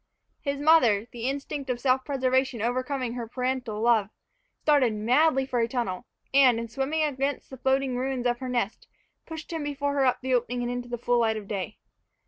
His mother, the instinct of self preservation overcoming her parental love, started madly for a tunnel, and, in swimming against the floating ruins of her nest, pushed him before her up the opening and into the full light of day.